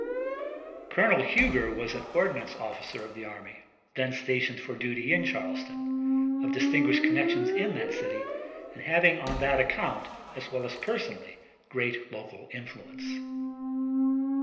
Colonel Huger was an ordnance officer of the army, then stationed for duty in Charleston, of distinguished connections in that city, and having on that account as well as personally great local influence.